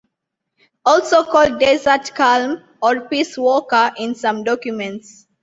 Also called Desert Calm or Peace Walker in some documents.